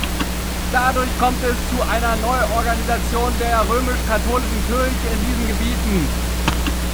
Dadurch kommt es zu einer Neuorganisation der römisch-katholischen Kirche in diesen Gebieten.